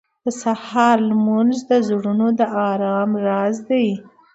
• د سهار لمونځ د زړونو د ارام راز دی.